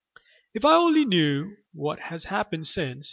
"If I only knew what has happened since!"